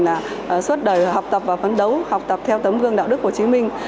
là suốt đời học tập và phấn đấu học tập theo tấm gương đạo đức của chí minh